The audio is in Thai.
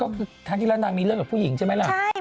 ก็คือทางที่แล้วหนักมีเรื่องแบบผู้หญิงใช่มั้ยล่ะ